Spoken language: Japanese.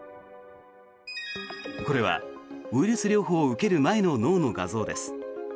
これはウイルス療法を受ける前の脳の画像です。